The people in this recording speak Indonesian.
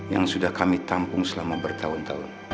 yang sudah kami tampung selama bertahun tahun